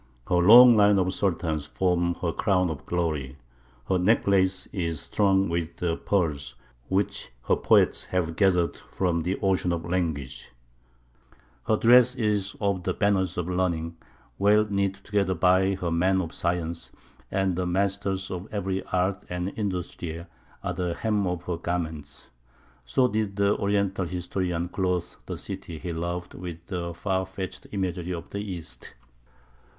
Her long line of Sultans form her crown of glory; her necklace is strung with the pearls which her poets have gathered from the ocean of language; her dress is of the banners of learning, well knit together by her men of science; and the masters of every art and industry are the hem of her garments." So did the Oriental historian clothe the city he loved with the far fetched imagery of the East.